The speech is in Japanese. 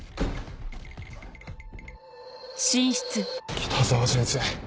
北澤先生。